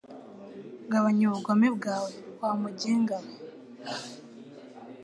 gabanya ubugome bwawe wa muginga we